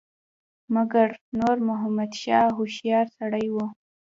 مګر نور محمد شاه هوښیار سړی وو.